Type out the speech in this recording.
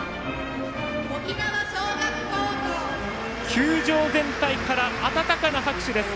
球場全体から温かな拍手です。